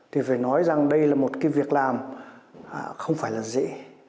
thì phải nói rằng đây là một cái việc làm không phải là dễ